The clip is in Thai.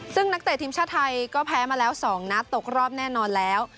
ซึ่งนักเตะทีมชาติไทยก็แพ้มาแล้ว๒นัดตกรอบแน่นอนแล้ว